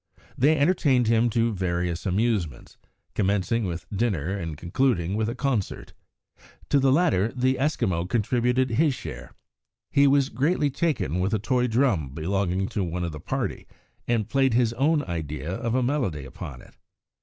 They entertained him to various amusements, commencing with dinner and concluding with a concert. To the latter the Eskimo contributed his share. He was greatly taken with a toy drum belonging to one of the party, and played his own idea of a melody upon it.